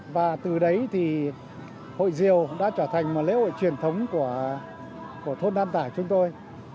và từ đấy thì hội diều đã trở thành một lễ hội truyền thống của thôn nam tải chúng tôi